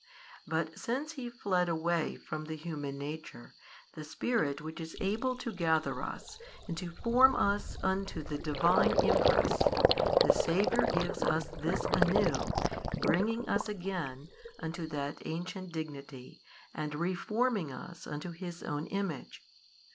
But since He fled away from the human nature, the Spirit which is able to gather us and to form us unto the Divine Impress, the Saviour gives us this anew bringing us again unto that ancient Dignity and reforming us unto His own Image.